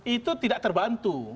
itu tidak terbantu